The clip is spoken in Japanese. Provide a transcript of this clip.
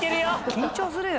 緊張するよ